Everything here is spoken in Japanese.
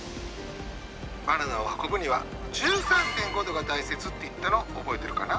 バナナを運ぶには１３．５度が大切って言ったの覚えてるかな？